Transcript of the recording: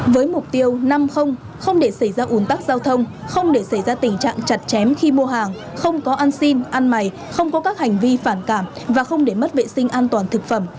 với mục tiêu năm không để xảy ra ủn tắc giao thông không để xảy ra tình trạng chặt chém khi mua hàng không có ăn xin ăn mày không có các hành vi phản cảm và không để mất vệ sinh an toàn thực phẩm